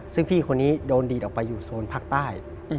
ซึ่งพี่คนนี้โดนดีดออกไปอยู่โซนภาคใต้